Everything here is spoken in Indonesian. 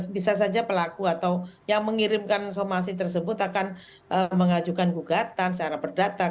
bisa saja pelaku atau yang mengirimkan somasi tersebut akan mengajukan gugatan secara berdata